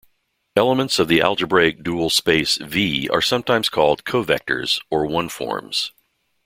Elements of the algebraic dual space "V" are sometimes called covectors or one-forms.